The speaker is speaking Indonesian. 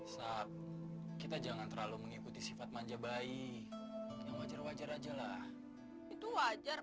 sab kita jangan terlalu mengikuti sifat manja bayi yang wajar wajar aja lah itu wajar